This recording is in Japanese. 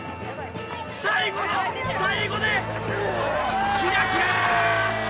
最後の最後でキラキラ！